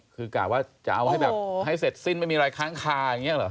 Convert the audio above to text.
คือกะว่าจะเอาให้แบบให้เสร็จสิ้นไม่มีอะไรค้างคาอย่างนี้เหรอ